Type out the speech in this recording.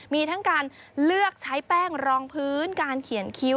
มีทั้งการเลือกใช้แป้งรองพื้นการเขียนคิ้ว